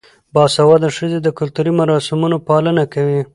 باسواده ښځې د کلتوري مراسمو پالنه کوي.